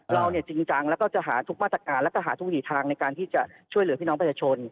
เราจริงจังแล้วก็จะหาทุกมาตรการแล้วก็หาทุกวิถีทางในการที่จะช่วยเหลือพี่น้องประชาชน